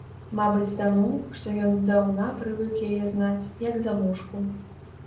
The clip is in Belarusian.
Мабыць таму, што ён здаўна прывык яе знаць, як замужку.